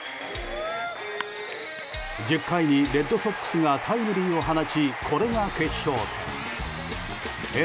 １０回にレッドソックスがタイムリーを放ちこれが決勝点。